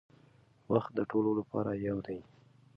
وخت د ټولو لپاره یو دی.